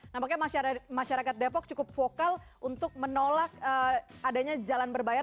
nampaknya masyarakat depok cukup vokal untuk menolak adanya jalan berbayar